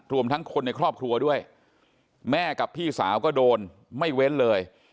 รวมทั้งคนในครอบครัวด้วยแม่กับพี่สาวก็โดนไม่เว้นเลย